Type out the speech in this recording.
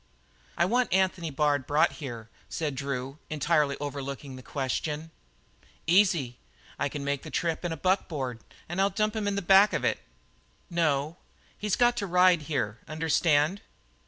"I want Anthony Bard brought here," said. Drew, entirely overlooking the question. "Easy. I can make the trip in a buckboard and I'll dump him in the back of it." "No. He's got to ride here, understand?"